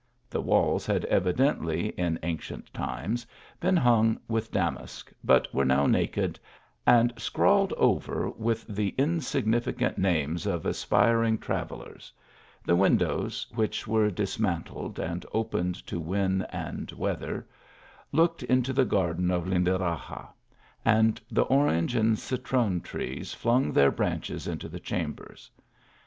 The walls had evidently, in ancient times, been hung with damask, but were now naked, and scrawled over with the insignificant names of aspiring travellers ; the windows, which were dismantled and open to wind and weather, looked into the garden of Lindaraxa, and the orange and citron trees flung their branches into the cham bers.